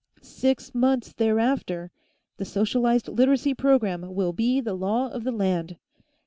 Six months thereafter, the socialized Literacy program will be the law of the land.